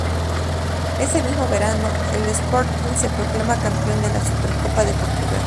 Ese mismo verano, el Sporting se proclama campeón de la Supercopa de Portugal.